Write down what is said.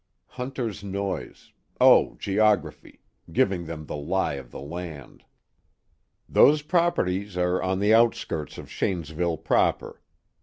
Hunter's noise oh, geography. Giving them the lie of the land. "Those properties are on the outskirts of Shanesville proper.